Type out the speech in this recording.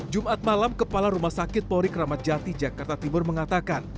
jumat malam kepala rumah sakit polri kramat jati jakarta timur mengatakan